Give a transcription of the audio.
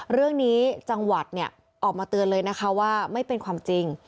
เรื่องนี้จังหวัดเนี่ยออกมาเตือนเลยนะคะว่าไม่เป็นความจริง